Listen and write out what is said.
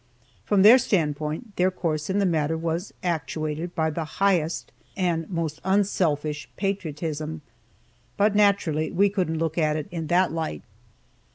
From their standpoint their course in the matter was actuated by the highest and most unselfish patriotism, but naturally we couldn't look at it in that light.